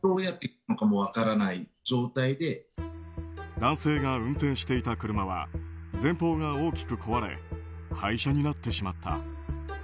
男性が運転していた車は前方が大きく壊れ廃車になってしまった。